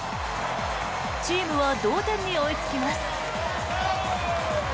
チームは同点に追いつきます。